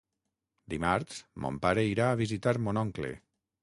Dimarts mon pare irà a visitar mon oncle.